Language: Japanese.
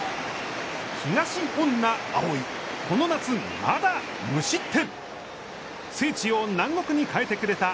東恩納蒼、この夏まだ無失点。